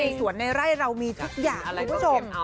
สวนในไร่เรามีทุกอย่างคุณผู้ชม